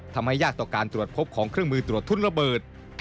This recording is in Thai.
ทำให้ยากต่อการตรวจพบของเครื่องมือตรวจทุนระเบิด